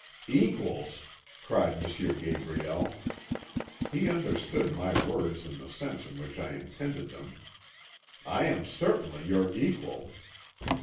"'Equals!' cried M. Gabriel; he understood my words in the sense in which I intended them. 'I am certainly your equal.'